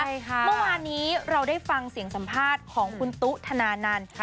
เมื่อวานนี้เราได้ฟังเสียงสัมภาษณ์ของคุณตุ๊ธนานันต์